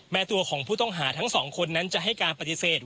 ตัวของผู้ต้องหาทั้งสองคนนั้นจะให้การปฏิเสธ